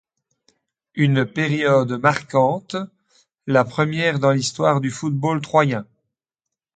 Une période marquante la première dans l'histoire du football troyen.